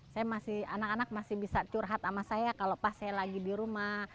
saya masih anak anak masih bisa curhat sama saya kalau pas saya lagi di rumah